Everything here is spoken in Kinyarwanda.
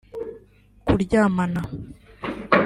kuryamana